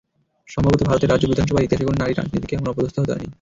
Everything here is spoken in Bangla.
সম্ভবত ভারতের রাজ্য বিধানসভার ইতিহাসে কোনো নারী রাজনীতিককে এমন অপদস্থ হতে হয়নি।